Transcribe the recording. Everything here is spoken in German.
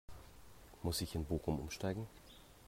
Muss ich in Bochum Umsteigen?